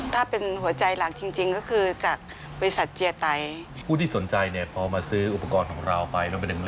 ถ้าเป็นหัวใจหลักจริงก็คือจากบริษัทเจียไต